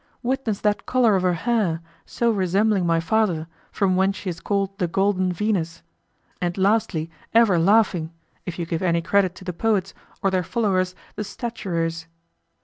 Witness that color of her hair, so resembling my father, from whence she is called the golden Venus; and lastly, ever laughing, if you give any credit to the poets, or their followers the statuaries.